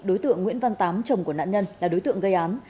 đối tượng nguyễn văn tám chồng của nạn nhân là đối tượng gây án